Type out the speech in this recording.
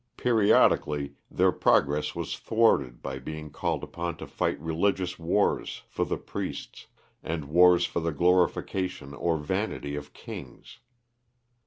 Periodically, their progress was thwarted by being called upon to fight religious wars for the priests, and wars for the glorification or vanity of kings.